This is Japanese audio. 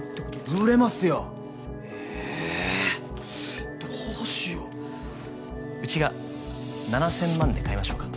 売れますよえどうしよううちが７０００万で買いましょうか？